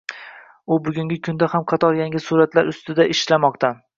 U bugungi kunda ham qator yangi suratlar ustida ishlamoqda.